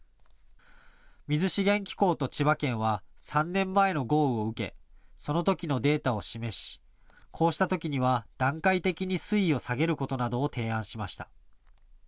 水資源機構と千葉県は３年前の豪雨を受け、そのときのデータを示し、こうしたときには段階的に水位を下げることなどを提案しました。